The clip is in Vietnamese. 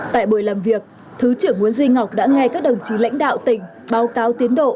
tại buổi làm việc thứ trưởng nguyễn duy ngọc đã nghe các đồng chí lãnh đạo tỉnh báo cáo tiến độ